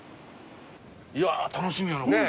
いやー楽しみやなこれ。